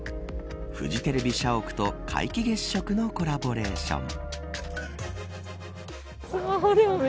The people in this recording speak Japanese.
フジテレビ社屋と皆既月食のコラボレーション。